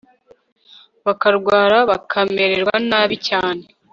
bakarwara bakamererwa nabi cyane